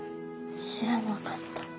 知らなかった。